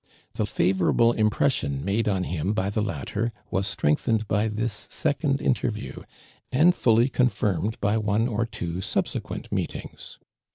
The favorable impi ession mode on him by the latter was strengthened by this second interview, and fully confirmed by one or two subsequent meetings.